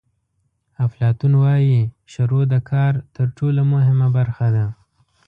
افلاطون وایي شروع د کار تر ټولو مهمه برخه ده.